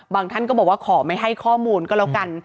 ท่านก็บอกว่าขอไม่ให้ข้อมูลก็แล้วกัน